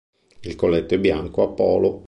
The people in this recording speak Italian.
Il colletto è bianco, a polo.